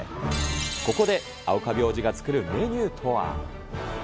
ここで青カビ王子が作るメニューとは。